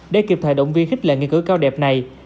để kịp thời động viên khích lệ nghĩa cử cao đẹp này